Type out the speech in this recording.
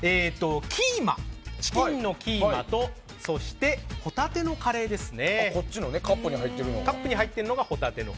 チキンのキーマとカップがホタテのカレーですね。